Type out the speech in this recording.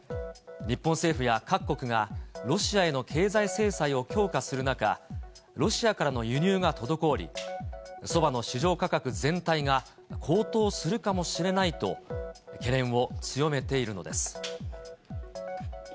日本政府や各国が、ロシアへの経済制裁を強化する中、ロシアからの輸入が滞り、そばの市場価格全体が高騰するかもしれないと懸念を強めているのです。